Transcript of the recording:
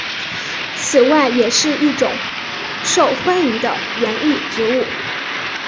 此外也是一种受欢迎的园艺植物。